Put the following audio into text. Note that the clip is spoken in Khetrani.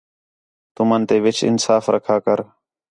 تُمن تے وِچ انصاف رکھا کر